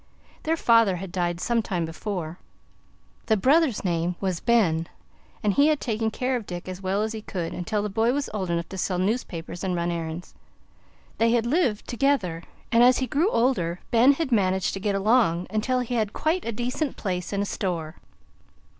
Their father had died some time before. The brother's name was Ben, and he had taken care of Dick as well as he could, until the boy was old enough to sell newspapers and run errands. They had lived together, and as he grew older Ben had managed to get along until he had quite a decent place in a store.